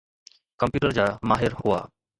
Computer جا ماهر هئا.